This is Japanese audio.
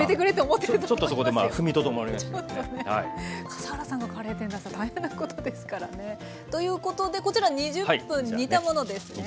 笠原さんがカレー店だったら大変なことですからね。ということでこちら２０分煮たものですね。